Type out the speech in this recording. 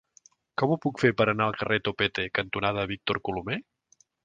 Com ho puc fer per anar al carrer Topete cantonada Víctor Colomer?